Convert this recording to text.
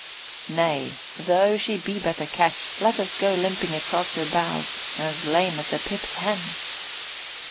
Nay, though she be but a ketch, let us go limping across her bows as lame as a pipped hen."